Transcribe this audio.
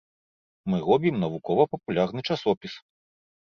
Мы робім навукова-папулярны часопіс.